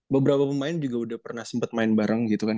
beberapa pemain juga udah pernah sempet main bareng gitu kan